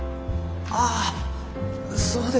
ああそうですね。